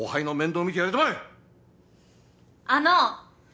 あの！